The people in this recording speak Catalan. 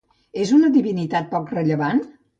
És una divinitat poc rellevant?